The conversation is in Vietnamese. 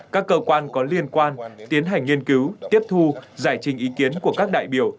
các cơ quan có liên quan tiến hành nghiên cứu tiếp thu giải trình ý kiến của các đại biểu